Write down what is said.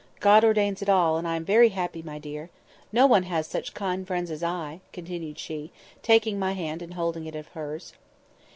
God ordains it all, and I am very happy, my dear. No one has such kind friends as I," continued she, taking my hand and holding it in hers.